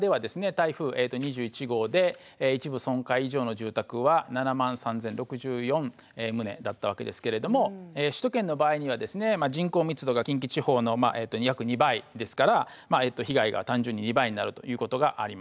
台風２１号で一部損壊以上の住宅は７万３，０６４棟だったわけですけれども首都圏の場合にはですねまあ人口密度が近畿地方の約２倍ですから被害が単純に２倍になるということがあります。